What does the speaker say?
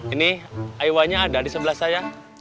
ini iwannya ada di sebelah saya